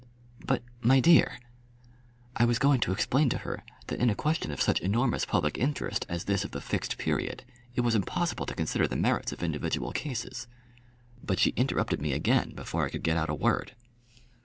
"But, my dear " I was going to explain to her that in a question of such enormous public interest as this of the Fixed Period it was impossible to consider the merits of individual cases. But she interrupted me again before I could get out a word.